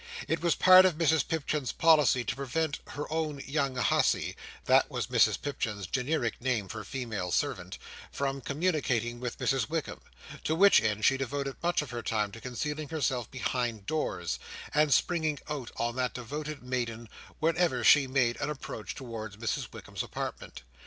It was a part of Mrs Pipchin's policy to prevent her own "young hussy"—that was Mrs Pipchin's generic name for female servant—from communicating with Mrs Wickam: to which end she devoted much of her time to concealing herself behind doors, and springing out on that devoted maiden, whenever she made an approach towards Mrs Wickam's apartment.